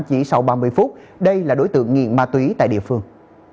chỉ sau ba mươi phút đây là đối tượng nghiện ma túy tại địa phương